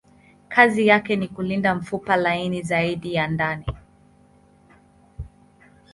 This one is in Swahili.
Kazi yake ni kulinda mfupa laini zaidi ya ndani.